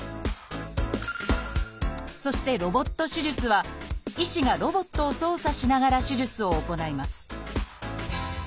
そして「ロボット手術」は医師がロボットを操作しながら手術を行います